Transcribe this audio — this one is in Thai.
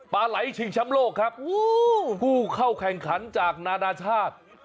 ปลาไหลชิงช้ำโลกครับผู้เข้าแข่งขันจากนานาชาติ